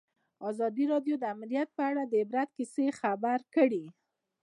ازادي راډیو د امنیت په اړه د عبرت کیسې خبر کړي.